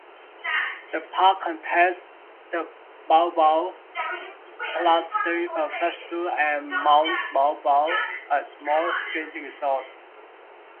The park contains the Baw-Baw Plateau and Mount Baw Baw, a small ski resort.